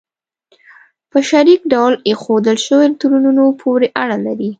په شریک ډول ایښودل شوو الکترونونو پورې اړه لري.